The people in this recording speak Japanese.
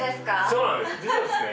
そうなんです実はですね